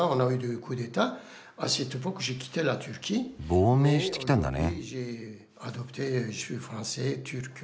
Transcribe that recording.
亡命してきたんだね。